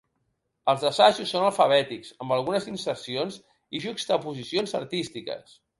Els assajos són alfabètics, amb algunes insercions i juxtaposicions artístiques.